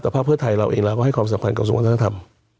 แต่ภาพเพื่อไทยเราก็ให้ความสัมพันธ์กับส่วนวัฒนธรรม